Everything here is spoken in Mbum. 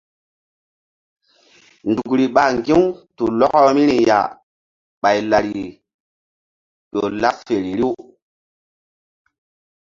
Nzukri ɓa ŋgi̧-u tu lɔkɔ vbiri ya ɓay lari ƴo laɓ feri riw.